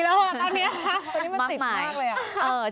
ตอนนี้มันติดมากเลยอ่ะ